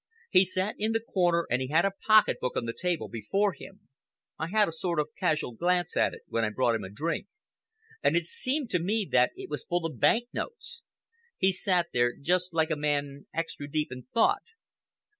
He sat in the corner and he had a pocket book on the table before him. I had a sort of casual glance at it when I brought him a drink, and it seemed to me that it was full of bank notes. He sat there just like a man extra deep in thought.